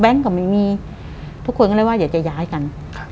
ก็ไม่มีทุกคนก็เลยว่าอยากจะย้ายกัน